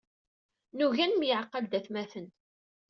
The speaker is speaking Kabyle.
Nugi ad nemyeɛqal d atmaten.